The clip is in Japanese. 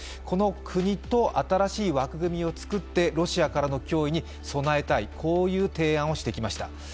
この国と新しい枠組みを作ってロシアからの脅威に備えたいこういう提案をしてきました。